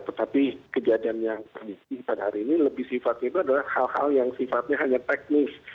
tetapi kejadian yang terjadi pada hari ini lebih sifatnya itu adalah hal hal yang sifatnya hanya teknis